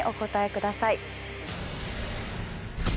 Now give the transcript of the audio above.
ください